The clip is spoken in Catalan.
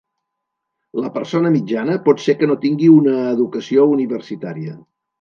La persona mitjana pot ser que no tingui una educació universitària.